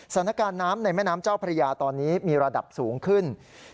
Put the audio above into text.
สถานการณ์น้ำในแม่น้ำเจ้าพระยาตอนนี้มีระดับสูงขึ้น